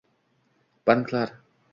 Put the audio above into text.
Banklar